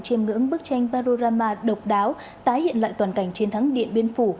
chiêm ngưỡng bức tranh parorama độc đáo tái hiện lại toàn cảnh chiến thắng điện biên phủ